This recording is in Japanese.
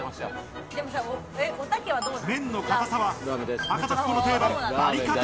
麺の固さは博多っ子の定番バリカタ。